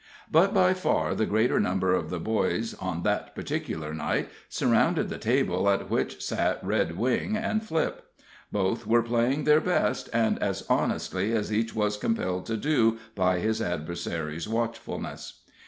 But by far the greater number of the boys, on that particular night, surrounded the table at which sat Redwing and Flip. Both were playing their best, and as honestly as each was compelled to do by his adversary's watchfulness.